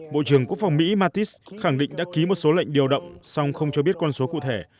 bộ trưởng quốc phòng mỹ mattis khẳng định đã ký một số lệnh điều động song không cho biết con số cụ thể